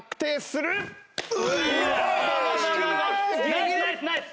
ナイスナイスナイス！